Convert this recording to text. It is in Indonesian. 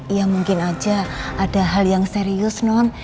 ya mungkin aja ada hal yang serius non